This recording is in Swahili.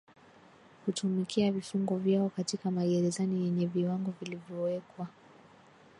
kutumikia vifungo vyao katika magerezani yenye viwango vilivyowekwa